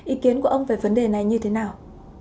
ý kiến của ông về vấn đề này như thế nào